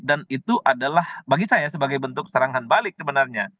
dan itu adalah bagi saya sebagai bentuk serangan balik sebenarnya